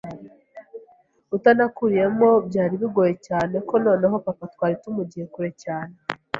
utanakuriyemo byari bigoye cyne ko noneho papa twari tumugiye kure cyane,